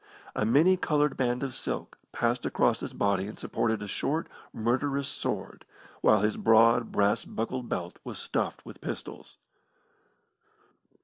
A many coloured band of silk passed across his body and supported a short, murderous sword, while his broad, brass buckled belt was stuffed with pistols.